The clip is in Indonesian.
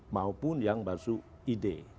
maupun yang masuk ide